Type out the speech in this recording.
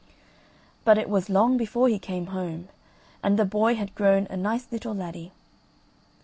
But it was long before he came home, and the boy had grown a nice little laddie.